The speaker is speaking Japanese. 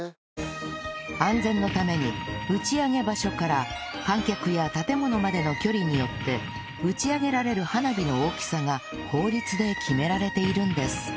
安全のために打ち上げ場所から観客や建物までの距離によって打ち上げられる花火の大きさが法律で決められているんです